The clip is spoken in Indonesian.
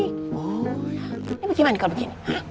ini bagaimana kalo begini